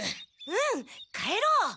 うん帰ろう！